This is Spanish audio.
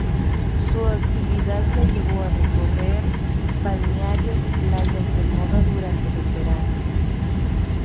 Su actividad le llevó a recorrer balnearios y playas de moda durante los veranos.